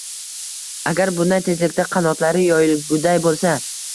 Agar bunday tezlikda qanotlari yoyilguday bo‘lsa